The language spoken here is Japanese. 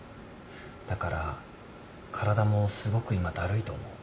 だから体もすごく今だるいと思う。